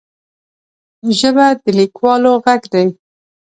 ژبه د لیکوالو غږ دی